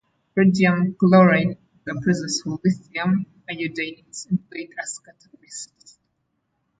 Rhodium chloride in the presence of lithium iodide is employed as catalysts.